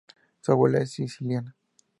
Su abuela es siciliana.